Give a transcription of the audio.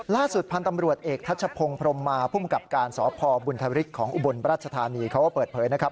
ล่าสุดพันธ์ตำรวจเอกทัชพงศ์พรมมาภูมิกับการสพบุญธริกของอุบลราชธานีเขาก็เปิดเผยนะครับ